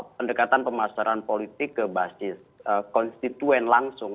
pendekatan pemasaran politik ke basis konstituen langsung